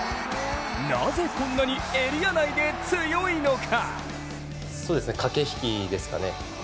なぜこんなにエリア内で強いのか。